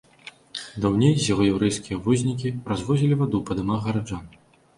Даўней з яго яўрэйскія вознікі развозілі ваду па дамах гараджан.